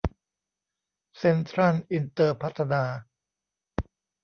เซ็นทรัลอินเตอร์พัฒนา